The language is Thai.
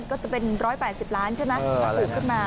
ก็จะเป็น๑๘๐ล้านใช่ไหมถ้าปลูกขึ้นมา